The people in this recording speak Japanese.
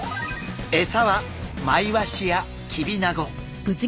エサはマイワシやキビナゴ。